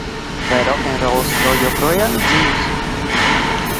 Vai rokenrols vēl joprojām ir dzīvs?